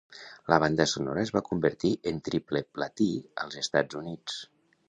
La banda sonora es va convertir en triple platí als Estats Units.